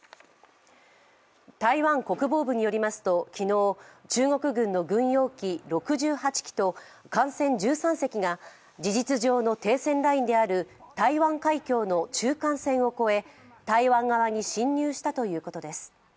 台湾国防部によりますと昨日、中国軍の軍用機６８機と艦船１３隻が事実上の停戦ラインである台湾海峡の中間線を越え、台湾側に進入したということです。